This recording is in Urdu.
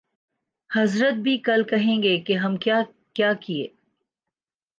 حضرت بھی کل کہیں گے کہ ہم کیا کیا کیے